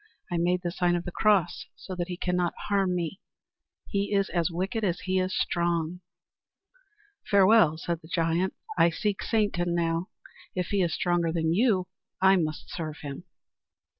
"I made the sign of the cross so that he cannot harm me. He is as wicked as he is strong." "Farewell," said the giant. "I seek Satan now. If he is stronger than you, I must serve him."